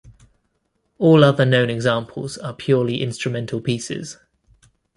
All other known examples are purely instrumental pieces.